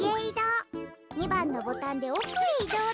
２ばんのボタンでおくへいどうです。